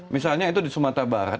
misalnya itu di sumatera barat